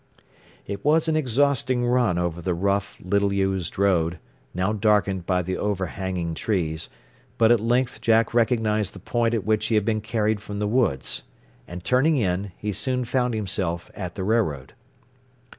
It was an exhausting run over the rough, little used road, now darkened by the overhanging trees; but at length Jack recognized the point at which he had been carried from the woods, and turning in, soon found himself at the railroad.